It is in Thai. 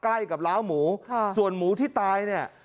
ใกล้กับล้าวหมูค่ะส่วนหมูที่ตายเนี่ย